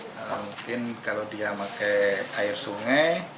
mungkin kalau dia pakai air sungai